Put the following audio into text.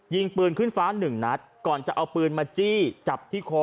ยิงปืนขึ้นฟ้าหนึ่งนัดก่อนจะเอาปืนมาจี้จับที่คอ